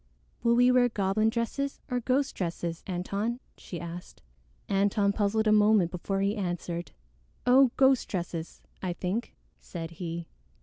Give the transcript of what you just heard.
"Will we wear goblin dresses or ghost dresses, Antone?" she asked. Antone puzzled a moment before he answered. "Oh, ghost dresses, I think," said he.